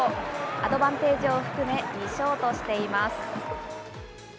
アドバンテージを含め２勝としています。